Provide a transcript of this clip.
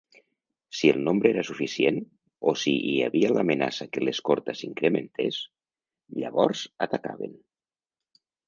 Si el nombre era suficient, o si hi havia l'amenaça que l'escorta s'incrementés, llavors atacaven.